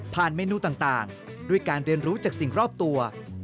เมนูต่างด้วยการเรียนรู้จากสิ่งรอบตัว